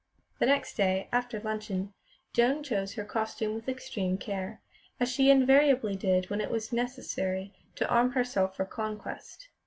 The next day, after luncheon, Joan chose her costume with extreme care, as she invariably did when it was necessary to arm herself for conquest.